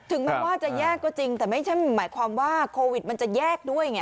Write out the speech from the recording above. แม้ว่าจะแยกก็จริงแต่ไม่ใช่หมายความว่าโควิดมันจะแยกด้วยไง